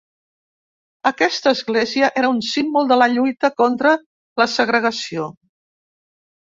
Aquesta església era un símbol de la lluita contra la segregació.